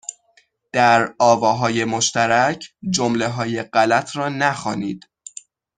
در آواهای مشترک جملههای غلط را نخوانید